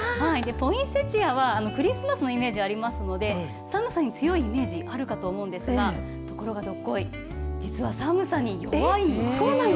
ポインセチアは、クリスマスのイメージありますので、寒さに強いイメージあるかと思うんですが、ところがどっこい、実は寒さに弱そうなの？